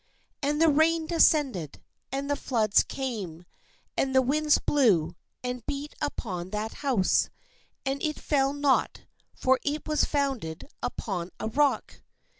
THE HOUSE UPON THE SANDS And the rain descended, and the floods came, and the winds blew, and beat upon that house; and it fell not : for it was founded upon a rock.